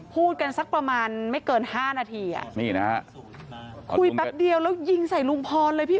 พูดกันซักประมาณไม่เกิน๕นาทีอ่ะคุยแป๊ะเดียวแล้วยิงใส่ลุงพรเลยพี่อุ๊ย